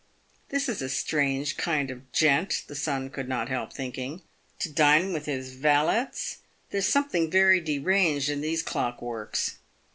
" This is a strange kind of gent," the son could not help thinkiug, "to dine with his valets. There's something very de ranged in these clock works."